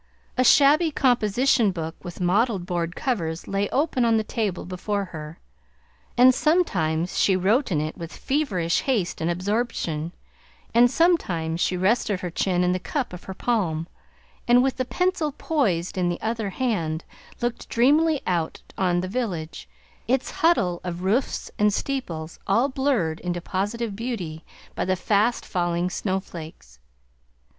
A shabby composition book with mottled board covers lay open on the table before her, and sometimes she wrote in it with feverish haste and absorption, and sometimes she rested her chin in the cup of her palm, and with the pencil poised in the other hand looked dreamily out on the village, its huddle of roofs and steeples all blurred into positive beauty by the fast falling snowflakes.